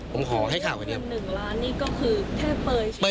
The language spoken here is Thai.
ผมขอให้ข่าวกันเถอะ